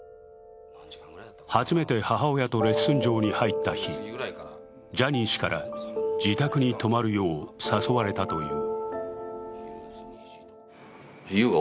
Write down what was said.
初めて母親とレッスン場に入った日、ジャニー氏から、自宅に泊まるよう誘われたという。